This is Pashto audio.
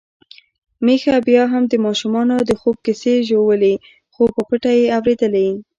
میښه بيا هم د ماشومانو د خوب کیسې ژولي، خو په پټه يې اوريدلې.